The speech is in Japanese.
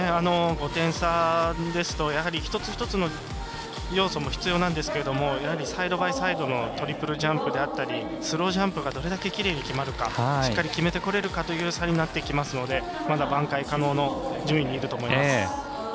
５点差ですと一つ一つの要素も必要なんですけれどもやはりサイドバイサイドのトリプルジャンプであったりスロージャンプがどれだけきれいに決まるかしっかり決めてこれるかという差になってきますので挽回可能な順位にいると思います。